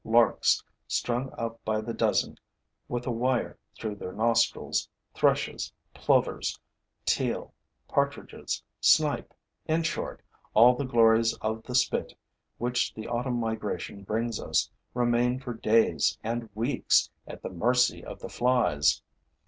Larks strung up by the dozen with a wire through their nostrils, thrushes, plovers, teal, partridges, snipe, in short, all the glories of the spit which the autumn migration brings us, remain for days and weeks at the mercy of the flies.